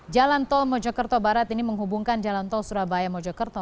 jalan tol mojokerto barat ini menghubungkan jalan tol surabaya mojokerto